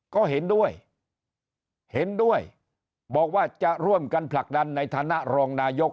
ก็เห็นด้วยเห็นด้วยบอกว่าจะร่วมกันผลักดันในฐานะรองนายก